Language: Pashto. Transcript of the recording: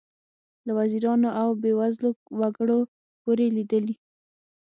له وزیرانو او بې وزلو وګړو پورې لیدلي.